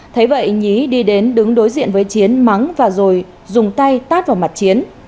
thấy vậy nhí đi đến đứng đối diện với chiến mắng và rồi dùng tay tát vào mặt chiến